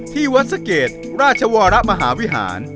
ที่วัดสะเกดราชวรมหาวิหาร